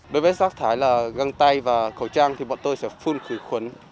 đối với rác thải là găng tay và khẩu trang thì bọn tôi sẽ phun khử khuẩn